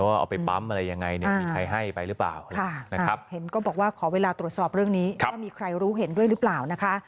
ว่าเอาไปปั๊มอะไรยังไงมีใครให้ไปหรือเปล่า